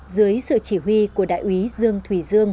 dưới sự chỉ huy của đại úy dương thủy